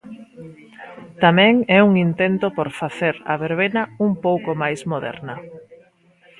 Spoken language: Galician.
Tamén é un intento por facer a verbena un pouco máis moderna.